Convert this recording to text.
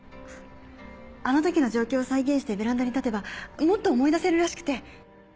あの時の状況を再現してベランダに立てばもっと思い出せるらしくて。